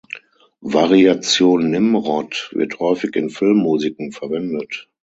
Variation „Nimrod“ wird häufig in Filmmusiken verwendet.